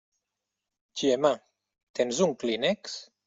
Gemma, tens un clínex?